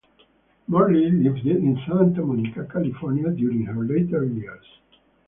Morley lived in Santa Monica, California, during her later years.